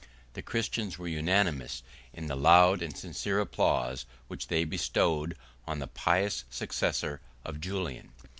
2 The Christians were unanimous in the loud and sincere applause which they bestowed on the pious successor of Julian.